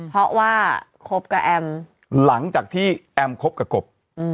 เพราะว่าคบกับแอมหลังจากที่แอมคบกับกบ